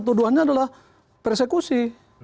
tuduhannya adalah persekusi